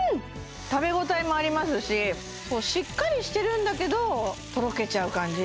食べ応えもありますししっかりしてるんだけどとろけちゃう感じ